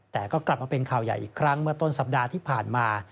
แต่ก็กลับมาเป็นข่าวใหญ่อีกครั้งเมื่อต้นสัปดาห์ที่ผ่านมา